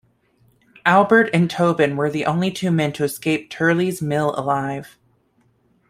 Albert and Tobin were the only two men to escape Turley's Mill alive.